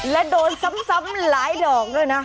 และโดนซ้ำหลายดอกด้วยนะ